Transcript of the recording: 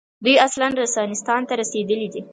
دوی اصلاً رنسانستان ته رسېدلي دي.